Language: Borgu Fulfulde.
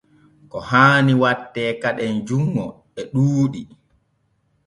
Ko haani watte kaden junŋo e ɗuuɗi.